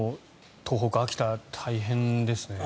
東北、秋田、大変ですね。